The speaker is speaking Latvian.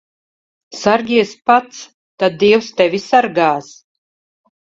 Sargies pats, tad dievs tevi sargās.